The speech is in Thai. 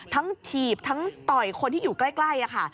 ถีบทั้งต่อยคนที่อยู่ใกล้ค่ะ